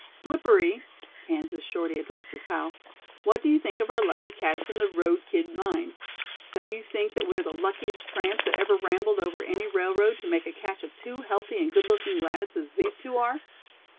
"Slippery," Kansas Shorty addressed his pal, "what do you think of our lucky catch in the 'Road Kid Line'? Don't you think that we are the luckiest tramps that ever rambled over any railroad to make a catch of two healthy and good looking lads as these two are?"